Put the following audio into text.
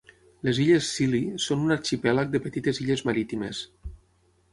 Les illes Scilly són un arxipèlag de petites illes marítimes.